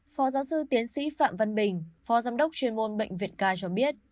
phó giáo sư tiến sĩ phạm văn bình phó giám đốc chuyên môn bệnh viện k cho biết